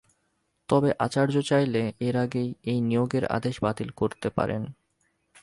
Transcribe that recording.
তবে আচার্য চাইলে এর আগেই এই নিয়োগের আদেশ বাতিল করতে পারেন।